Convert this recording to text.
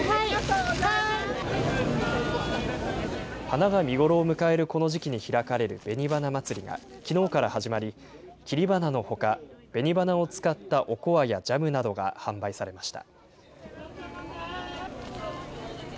花が見頃を迎えるこの時期に開かれるべに花まつりがきのうから始まり、切り花のほか、紅花を使ったおこわやジャムなどが販売されました。